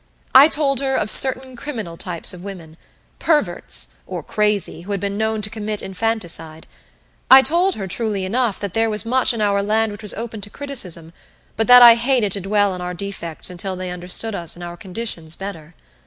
I told her of certain criminal types of women perverts, or crazy, who had been known to commit infanticide. I told her, truly enough, that there was much in our land which was open to criticism, but that I hated to dwell on our defects until they understood us and our conditions better.